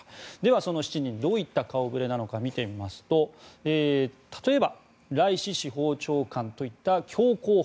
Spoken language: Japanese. その７人どういった顔触れなのか見てみますと例えばライシ司法長官といった強硬派。